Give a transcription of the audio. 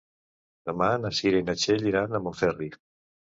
Demà na Cira i na Txell iran a Montferri.